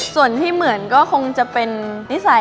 ส่วนที่เหมือนก็คงจะเป็นนิสัย